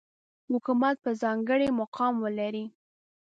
حکومت به ځانګړی مقام ولري.